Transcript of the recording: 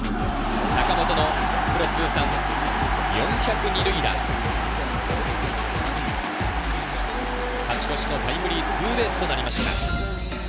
坂本のプロ通算４００二塁打、勝ち越しタイムリーツーベースとなりました。